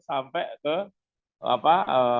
sampai ke apa